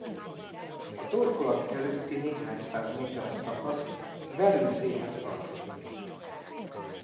A torkolat előtti néhány száz méteres szakasz Verőcéhez tartozik.